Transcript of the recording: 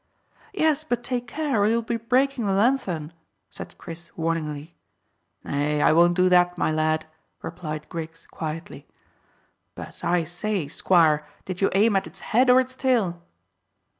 "Yes, but take care, or you'll be breaking the lanthorn," said Chris warningly. "Nay, I won't do that, my lad," replied Griggs quietly. "But I say, squire, did you aim at its head or its tail?"